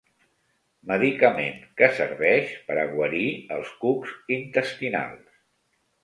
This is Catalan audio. Medicament que serveix per a guarir els cucs intestinals.